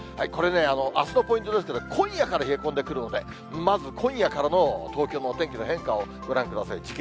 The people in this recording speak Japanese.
これね、あすのポイントですけど、今夜から冷え込んでくるので、まず今夜からの東京のお天気の変化をご覧ください。